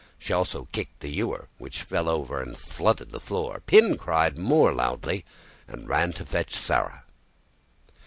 She also kicked the ewer, which fell over and flooded the floor. Pin cried more loudly, and ran to fetch Sarah.